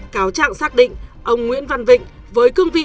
cáo trạng xác định ông nguyễn văn vịnh với cương vị